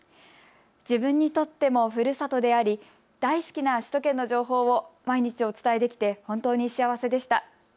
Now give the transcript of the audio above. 自分にとってもふるさとであり大好きな首都圏の情報を毎日お伝えできて本当に幸せでした。